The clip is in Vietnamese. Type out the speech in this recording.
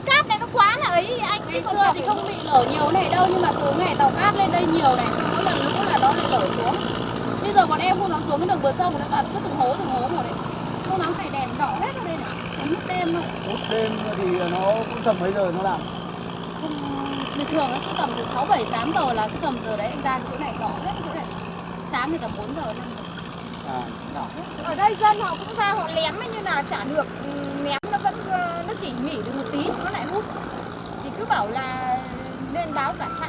thì cứ bảo là nên báo cả xã nên xã xuống cả